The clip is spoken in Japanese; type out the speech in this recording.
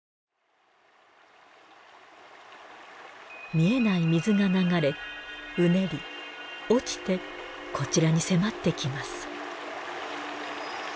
見えない水が流れうねり落ちてこちらに迫ってきます。